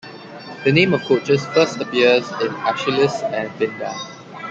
The name of Colchis first appears in Aeschylus and Pindar.